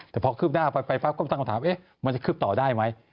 แต่พอคืบหน้าไปปั๊บก็ตั้งคำถามมันจะคืบต่อได้ไหม